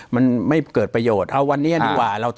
มันไม่เกิดประโยชน์เอาวันนี้ดีกว่า